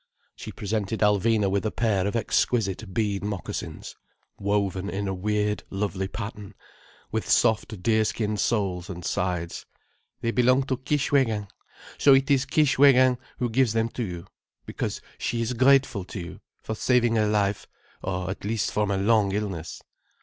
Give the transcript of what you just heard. She presented Alvina with a pair of exquisite bead moccasins, woven in a weird, lovely pattern, with soft deerskin soles and sides. "They belong to Kishwégin, so it is Kishwégin who gives them to you, because she is grateful to you for saving her life, or at least from a long illness."